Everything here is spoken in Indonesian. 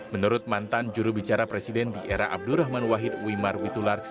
menurut mantan jurubicara presiden di era abdurrahman wahid wimar witular